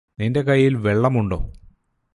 നിന്റെ കയ്യിൽ വെള്ളമുണ്ടോ?